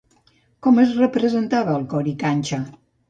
Com es representava el Coricancha?